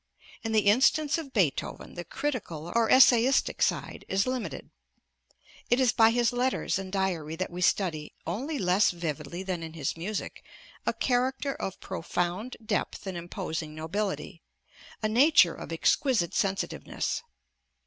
In the instance of Beethoven the critical or essayistic side is limited. It is by his letters and diary that we study (only less vividly than in his music) a character of profound depth and imposing nobility; a nature of exquisite sensitiveness.